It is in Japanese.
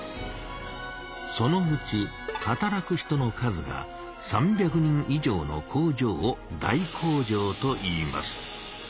そのうち働く人の数が３００人以上の工場を「大工場」といいます。